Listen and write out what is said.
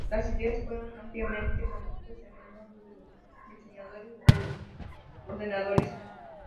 Las ideas fueron ampliamente conocidas en el mundo de los diseñadores de ordenadores.